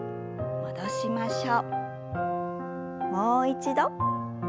戻しましょう。